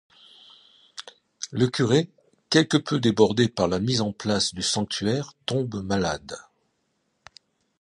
Le curé, quelque peu débordé par la mise en place du sanctuaire tombe malade.